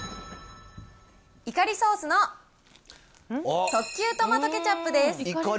イカリソースの特級トマトケチャップです。